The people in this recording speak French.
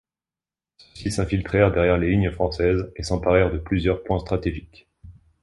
Ceux-ci s'infiltrèrent derrière les lignes françaises et s'emparèrent de plusieurs points stratégiques.